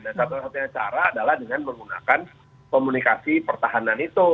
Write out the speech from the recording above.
nah satu satunya cara adalah dengan menggunakan komunikasi pertahanan itu